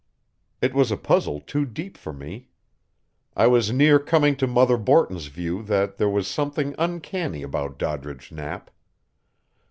It was a puzzle too deep for me. I was near coming to Mother Borton's view that there was something uncanny about Doddridge Knapp.